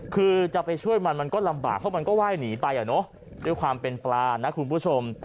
คือจะไปช่วยมันมันก็ลำบากเพราะมันก็ไหว้หนีไปอ่ะเนอะด้วยความเป็นปลานะคุณผู้ชม